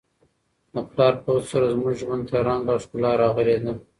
د پلار په هڅو سره زموږ ژوند ته رنګ او ښکلا راغلې ده.